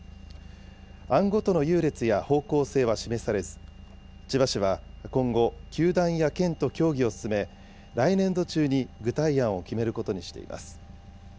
案ごとの優劣や方向性は示されず、千葉市は今後、球団や県と協議を進め、来年度中に具体案を決めることにしています。